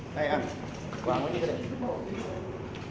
เดี๋ยวไงฮะวางไว้นี่ก็ได้